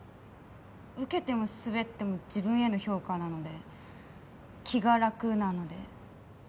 ウケてもスベっても自分への評価なので気が楽なので。